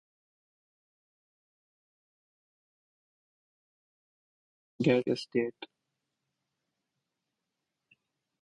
Liquid air can absorb heat rapidly and revert to its gaseous state.